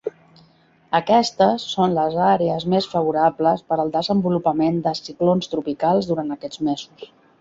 Aquestes són les àrees més favorables per al desenvolupament de ciclons tropicals durant aquests mesos.